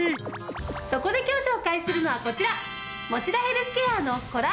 そこで今日紹介するのはこちら！